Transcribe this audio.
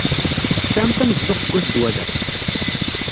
Tesɛam tanezduɣt deg at Dwala?